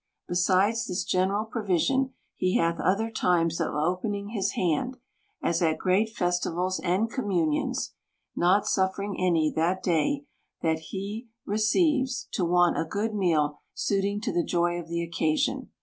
Besides this general provision, he hath other times of opening his hand; as at great festivals and communions; not suffer ing any, that day that he receives, to want a good meal suiting to the joy of the occasion.